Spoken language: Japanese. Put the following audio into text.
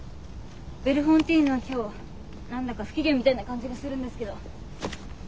ベルフォンティーヌは今日何だか不機嫌みたいな感じがするんですけど。